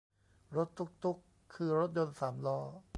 รถตุ๊กตุ๊ก คือรถยนต์สามล้อ